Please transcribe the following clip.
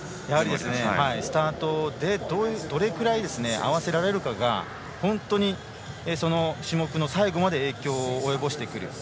スタートでどれくらい合わせられるかが本当にその種目の最後まで影響を及ぼしてくる。